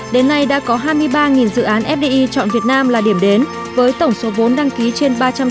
đến nay đã có hai mươi ba dự án fdi chọn việt nam là điểm đến với tổng số vốn đăng ký trên ba trăm linh